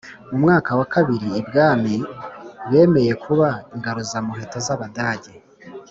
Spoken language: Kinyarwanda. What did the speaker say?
Mu mwaka wa bibiri, ibwami bemeye kuba ingaruzwamuheto z'Abadage